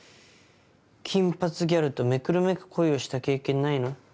金髪ギャルとめくるめく恋をした経験ないの？